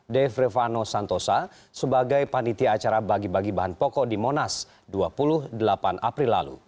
devrevano santosa sebagai panitia acara bagi bagi bahan pokok di monas dua puluh delapan april lalu